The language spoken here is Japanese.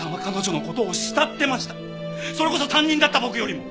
それこそ担任だった僕よりも。